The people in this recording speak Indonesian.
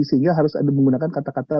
sehingga harus ada menggunakan kata kata